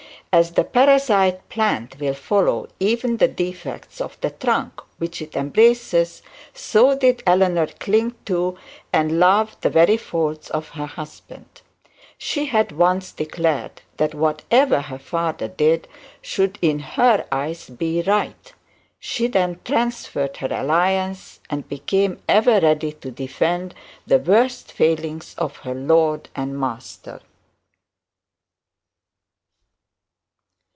As the parasite plant will follow even the defects of the trunk which it embraces, so did Eleanor cling to and love the very faults of her husband. She had once declared that whatever her father did should in her eyes be right. She then transferred her allegiance, and became ever ready to defend the worst failings of her lord and master.